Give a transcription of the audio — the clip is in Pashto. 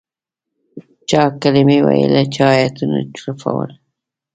چا کلمې ویلې چا آیتونه چوفول.